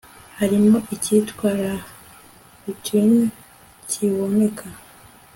harimo icyitwa 'la rutine', kiboneka